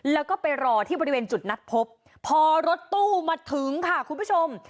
แล้วก็ไปรอที่บริเวณจุดนัดพบพอรถตู้มาถึงค่ะคุณผู้ชม